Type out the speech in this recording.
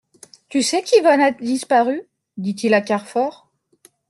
Tu sais qu'Yvonne a disparu ? dit-il à Carfor.